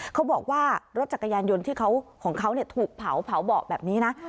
เขาบอกว่ารถจักรยานยนต์ที่เขาของเขาถูกเผาเบาะแบบนี้นะ